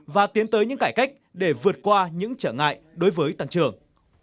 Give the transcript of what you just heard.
và tiến tới những cải cách để vượt qua những trở ngại đối với tăng trưởng